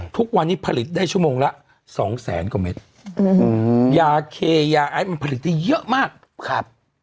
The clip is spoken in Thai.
ทุกวันนี้ผลิตได้ชั่วโมงละสองแสนกว่าเม็ดยาเคยาไอซ์มันผลิตได้เยอะมากครับ